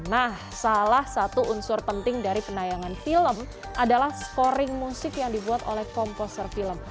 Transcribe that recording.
nah salah satu unsur penting dari penayangan film adalah scoring musik yang dibuat oleh komposer film